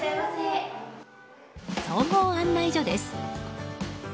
総合案内所です。